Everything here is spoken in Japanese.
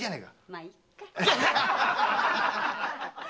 まいっか。